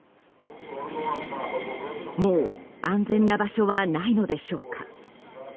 もう安全な場所はないのでしょうか。